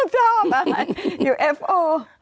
ชอบอ่ะยูเอฟโอ